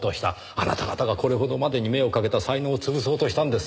あなた方がこれほどまでに目をかけた才能を潰そうとしたんです。